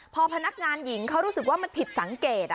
พอพนักงานหญิงเขารู้สึกว่ามันผิดสังเกต